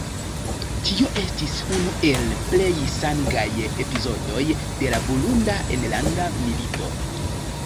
Tio estis unu el plej sangaj epizodoj de la Burunda enlanda milito.